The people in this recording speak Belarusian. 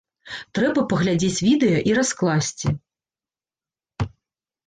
Трэба паглядзець відэа і раскласці.